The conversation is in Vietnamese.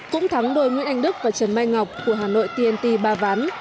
cũng thắng đôi nguyễn anh đức và trần mai ngọc của hà nội tnt ba ván